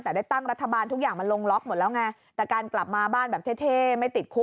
แต่ได้ตั้งรัฐบาลทุกอย่างมันลงล็อคหมดแล้วไง